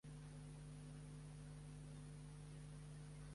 On est troba la Cave Cove?